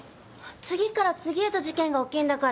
次から次へと事件が起きんだから。